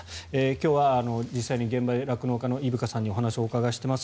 今日は実際に現場で酪農家の伊深さんにお話をお伺いしています。